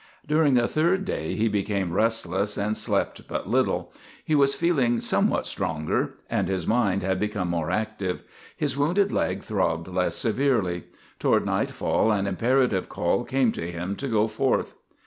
During the third day he became restless and slept but little. He was feeling somewhat stronger and his mind had become more active. His wounded leg throbbed less severely. Toward nightfall an imperative call came to him to go forth.